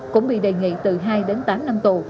cũng bị đề nghị từ hai đến tám năm tù